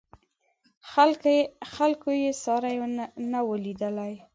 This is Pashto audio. خلکو یې ساری نه و لیدلی.